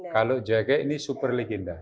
kalau jage ini super leginda